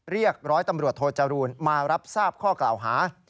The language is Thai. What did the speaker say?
ร้อยตำรวจโทจรูลมารับทราบข้อกล่าวหา